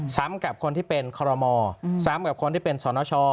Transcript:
กับคนที่เป็นคอรมอซ้ำกับคนที่เป็นสนช